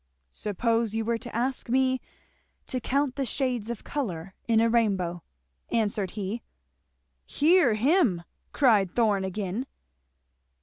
"Suppose you were to ask me to count the shades of colour in a rainbow," answered he. "Hear him!" cried Thorn again.